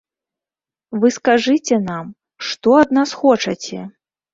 Вы скажыце нам, што ад нас хочаце?